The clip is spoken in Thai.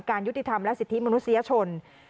ยุติธรรมและสิทธิมนุษยชน